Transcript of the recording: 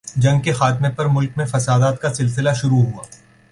جنگ کے خاتمہ پر ملک میں فسادات کا سلسلہ شروع ہوا۔